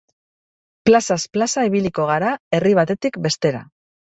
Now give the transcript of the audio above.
Plazaz plaza ibiliko gara, herri batetik bestera.